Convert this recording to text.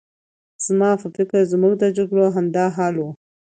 زما په فکر زموږ د جګړو همدا حال و.